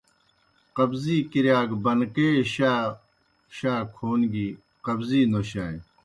قبضی کِرِیا گہ بنکے شائے کھون گیْ قبضی نوشانیْ۔